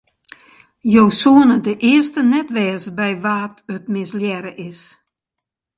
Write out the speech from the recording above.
Jo soene de earste net wêze by wa't it mislearre is.